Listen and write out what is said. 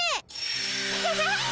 アハハッ！